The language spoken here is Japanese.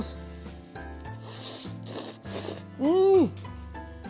うん！